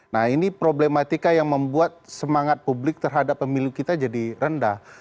nah ini problematika yang membuat semangat publik terhadap pemilu kita jadi rendah